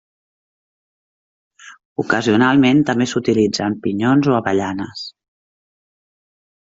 Ocasionalment també s'utilitzen pinyons o avellanes.